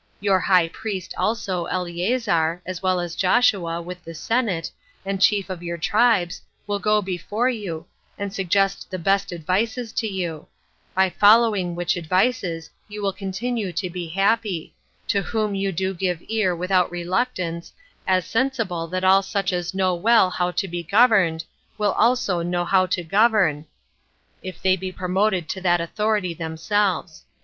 Your high priest also Eleazar, as well as Joshua, with the senate, and chief of your tribes, will go before you, and suggest the best advices to you; by following which advices you will continue to be happy: to whom do you give ear without reluctance, as sensible that all such as know well how to be governed, will also know how to govern, if they be promoted to that authority themselves.